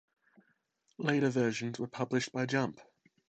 Later versions were published by Jump!